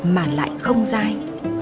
mà lại không dai